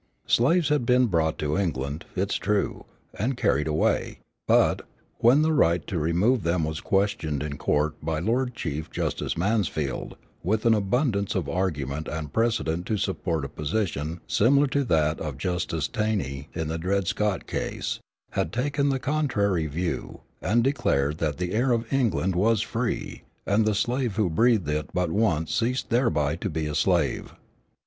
Slaves had been brought to England, it is true, and carried away; but, when the right to remove them was questioned in court, Lord Chief Justice Mansfield, with an abundance of argument and precedent to support a position similar to that of Justice Taney in the Dred Scott case, had taken the contrary view, and declared that the air of England was free, and the slave who breathed it but once ceased thereby to be a slave.